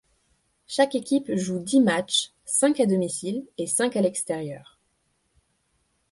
Chaque équipe joue dix matches, cinq à domicile et cinq à l'extérieur.